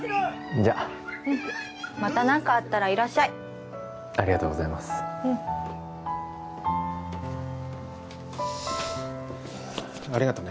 じゃあまた何かあったらいらっしゃいありがとうございますうんありがとね